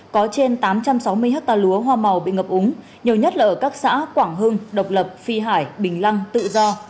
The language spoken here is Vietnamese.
có trên tám trăm sáu mươi ha lúa hoa màu bị ngập úng nhiều nhất là ở các xã quảng hưng độc lập phi hải bình lăng tự do